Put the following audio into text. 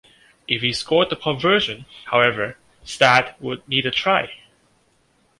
If he scored the conversion, however, Stade would need a try.